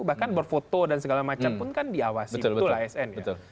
bahkan berfoto dan segala macam pun kan diawasi betul asn ya